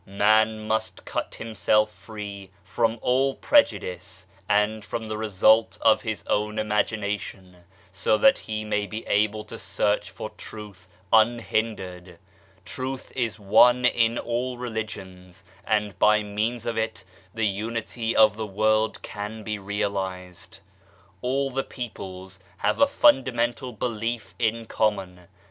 Man must cut himself free from all prejudice and from the result of his own imagination, so that he may be able to search for Truth unhindered. Truth is one in all religions, and by means of it the unity of the world can be realized. All the peoples have a fundamental belief in common.